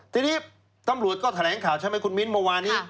ทีนี้ตำรวจก็แถลงข่าวใช่ไหมคุณมิ้นเมื่อวานนี้